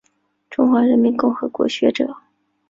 中华人民共和国学者。